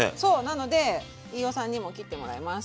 なので飯尾さんにも切ってもらいます。